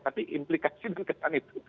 tapi implikasi dan kesan itu